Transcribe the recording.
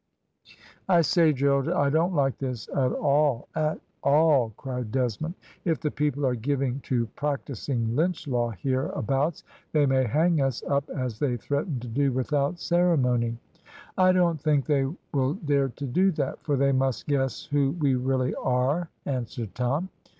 "I say, Gerald, I don't like this at all at all!" cried Desmond; "if the people are giving to practising Lynch law here abouts, they may hang us up as they threaten to do without ceremony." "I don't think they will dare to do that, for they must guess who we really are," answered Tom.